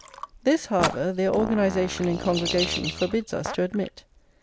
This, however, their organisation in congregations forbids us to admit.